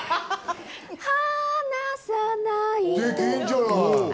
はぁなさないで。